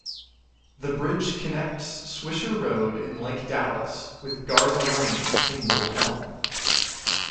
The bridge connects Swisher Road in Lake Dallas with Garza Lane in Little Elm.